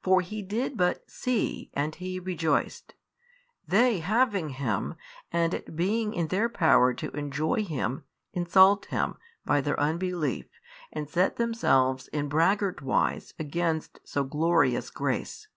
For he did but see and he rejoiced, they having Him and it being in their power to enjoy Him insult Him by their unbelief and set themselves in braggart wise against so glorious grace.